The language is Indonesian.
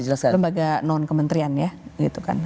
lembaga non kementerian ya